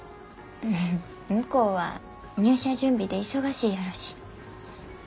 向こうは入社準備で忙しいやろし。